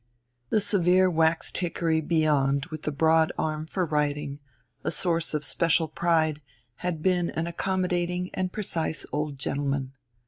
The severe waxed hickory beyond with the broad arm for writing, a source of special pride, had been an accommodating and precise old gentleman.